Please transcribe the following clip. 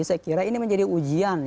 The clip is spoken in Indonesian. saya kira ini menjadi ujian